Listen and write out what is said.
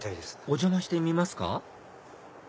お邪魔してみますか？